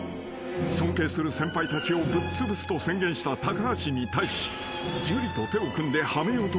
［尊敬する先輩たちをぶっつぶすと宣言した橋に対し樹と手を組んではめようとする辰巳］